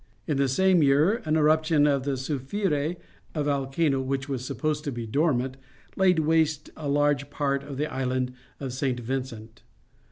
In the same year an eruption of the Soufriere, a volcano which was supposed to be dormant, laid waste a large part of the island of St. Vincent.